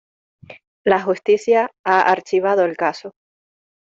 La justicia ha archivado el caso.